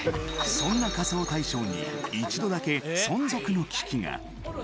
そんな「仮装大賞」に１度だけ存続の危機が。